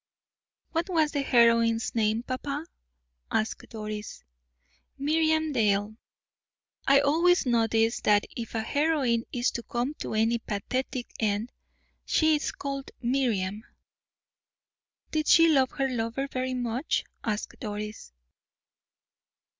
"What was the heroine's name, papa?" asked Doris. "Miriam Dale. I always notice that if a heroine is to come to any pathetic end she is called Miriam." "Did she love her lover very much?" asked Doris.